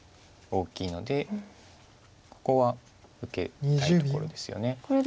大きいのでここは受けたいところですよね。